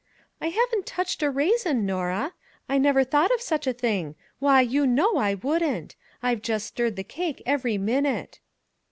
" I haven't touched a raisin, Norah. I never thought of such a thing; why, you know I wouldn't! I've just stirred the cake every minute."